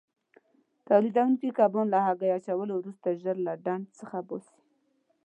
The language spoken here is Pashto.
تولیدوونکي کبان له هګۍ اچولو وروسته ژر له ډنډ څخه باسي.